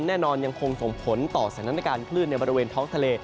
แน่นอนยังคงส่งผลต่อสถานการณ์ขึ้นในบริเวณท้องทะเล